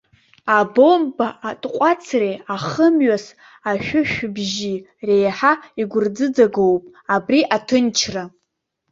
Абомба атҟәацреи ахымҩас ашәышәбжьи реиҳа игәырӡыӡагоуп абри аҭынчра.